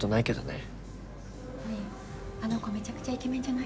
ねぇあの子めちゃくちゃイケメンじゃない？